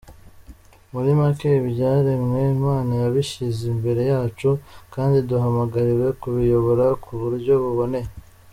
Muri make, ibyaremwe Imana yabishyize imbere yacu, kandi duhamagariwe kubiyobora ku buryo buboneye.